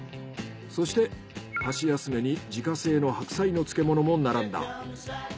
そして箸休めに自家製の白菜の漬物も並んだ。